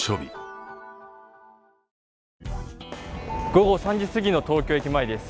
午後３時すぎの東京駅前です。